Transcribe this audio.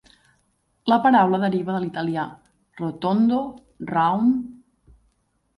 La paraula deriva de l'italià "rotondo," "round.